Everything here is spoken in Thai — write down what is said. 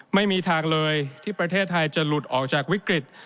ไม่มีทางเลยที่ประเทศไทยจะหลุดออกจากวิกฤต